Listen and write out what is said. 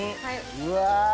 うわ！